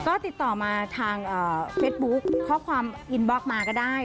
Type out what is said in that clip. ก็ติดต่อมาทางเฟซบุ๊คข้อความอินบล็อกมาก็ได้